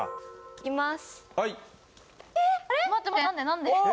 いきますよ。